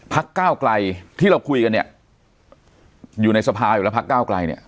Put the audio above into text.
ก้าวไกลที่เราคุยกันเนี่ยอยู่ในสภาอยู่แล้วพักก้าวไกลเนี่ย